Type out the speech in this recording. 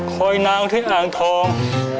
คอยนางที่อ่างทอง